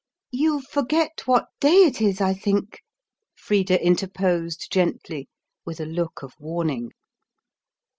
"You forget what day it is, I think," Frida interposed gently, with a look of warning.